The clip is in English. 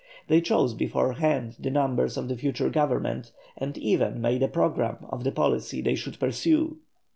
They chose beforehand the members of the future Government, and even made a programme of the policy they should pursue.